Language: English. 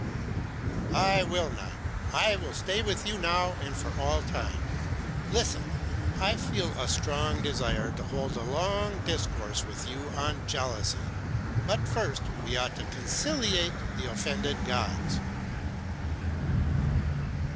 "I will not, I will stay with you now and for all time. Listen! I feel a strong desire to hold a long discourse with you on jealousy. But first we ought to conciliate the offended gods."